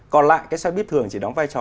còn lại cái xe buýt thường chỉ đóng vai trò